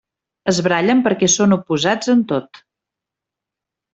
Es barallen perquè són oposats en tot.